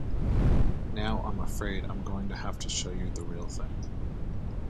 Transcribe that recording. Now I'm afraid I'm going to have to show you the real thing.